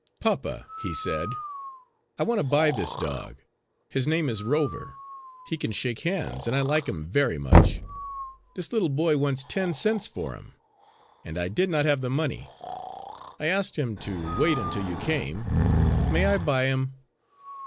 "Papa," he said, "I want to buy this dog. His name is Rover; he can shake hands, and I like him very much. This little boy wants ten cents for him, and I did not have the money. I asked him to wait until you came. May I buy him?"